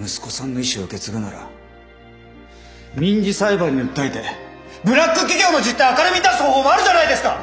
息子さんの遺志を受け継ぐなら民事裁判に訴えてブラック企業の実態を明るみに出す方法もあるじゃないですか！